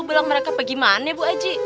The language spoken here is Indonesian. belom mereka pergi mana bu aji